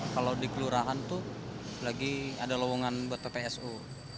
kalau di kelurahan tuh lagi ada lowongan buat ppsu